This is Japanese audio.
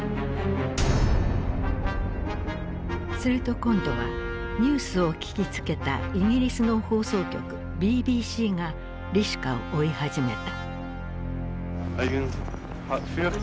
すると今度はニュースを聞きつけたイギリスの放送局ＢＢＣがリシュカを追い始めた。